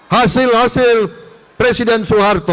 hasil hasil presiden soeharto